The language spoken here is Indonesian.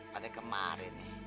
pada kemarin nih